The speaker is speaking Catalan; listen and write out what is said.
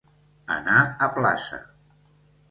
Anar a plaça.